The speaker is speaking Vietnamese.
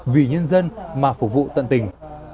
vì nhân dân mà phục vụ tận tình